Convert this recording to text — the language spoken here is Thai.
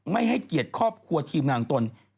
ไม่ให้เกียรติครอบครัวทีมงานตน